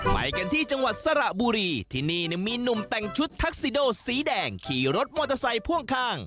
ไปกันที่จังหวัดสระบุรีที่นี่มีหนุ่มแต่งชุดทักซิโดสีแดงขี่รถมอเตอร์ไซค์พ่วงข้าง